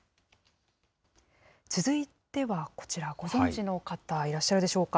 続いてはこちら、ご存じの方、いらっしゃるでしょうか。